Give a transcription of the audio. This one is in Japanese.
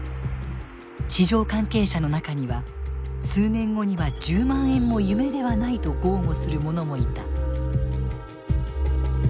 市場関係者の中には数年後には１０万円も夢ではないと豪語する者もいた。